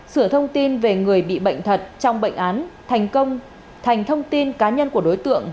sửa thông tin về người bị bệnh thật trong bệnh án thành công thành thông tin cá nhân của đối tượng